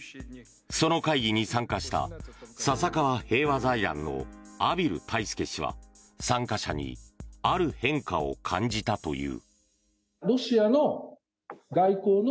その会議に参加した笹川平和財団の畔蒜泰助氏は参加者にある変化を感じたという。